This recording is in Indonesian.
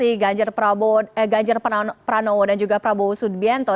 yang pertama adalah pranoa dan juga prabowo sudbiento